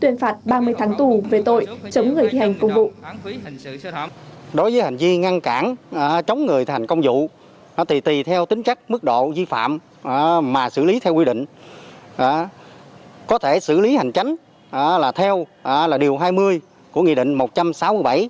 tuyên phạt ba mươi tháng tù về tội chống người thi hành công vụ